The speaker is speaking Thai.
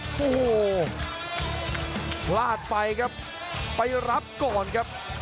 โอ้โหพลาดไปครับไปรับก่อนครับ